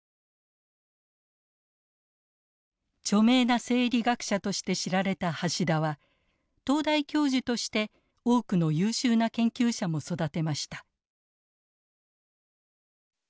著名な生理学者として知られた橋田は東大教授として多くの優秀な研究者も育てました。